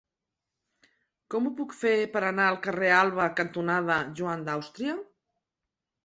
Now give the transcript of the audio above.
Com ho puc fer per anar al carrer Alba cantonada Joan d'Àustria?